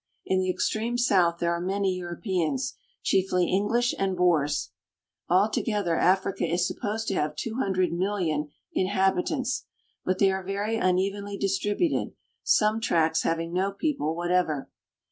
In the extreme south there are many Europeans, chiefly English and Boers. All together Africa is supposed to have two hundred mil lion inhabitants ; but they are very unevenly distributed, some tracts having no people whatever.